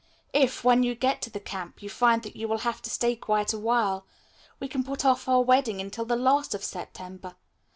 If, when you get to the camp, you find that you will have to stay quite a while, we can put off our wedding until the last of September.